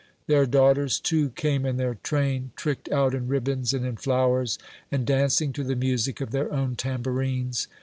Their daughters too came in their train, tricked out in ribbons and in flowers, and dancing to the music of their own tambourines.